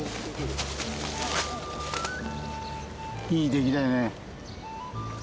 いい出来だよね。